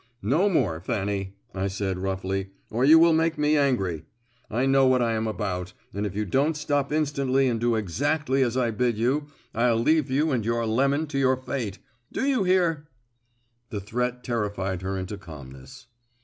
"No more, Fanny," I said roughly, "or you will make me angry. I know what I am about, and if you don't stop instantly and do exactly as I bid you, I'll leave you and your Lemon to your fate. Do you hear?" The threat terrified her into calmness.